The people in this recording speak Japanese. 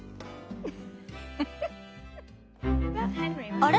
あれ？